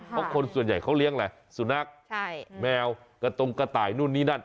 เพราะคนส่วนใหญ่เขาเลี้ยงอะไรสุนัขแมวกระตรงกระต่ายนู่นนี่นั่น